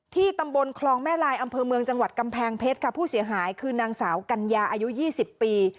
ตำบลคลองแม่ลายอำเภอเมืองจังหวัดกำแพงเพชรค่ะผู้เสียหายคือนางสาวกัญญาอายุ๒๐ปี